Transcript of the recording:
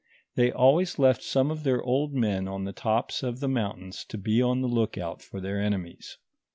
They always left some of their old men on the tops of the mountains to be on the lookout for their enemies.